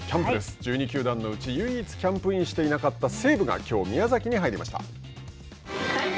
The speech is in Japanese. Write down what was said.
１２球団のうち唯一キャンプインしていなかった西武がきょう宮崎に入りました。